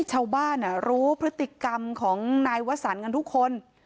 ชาวบ้านรู้พฤติกรรมของนายวสันกันทุกคน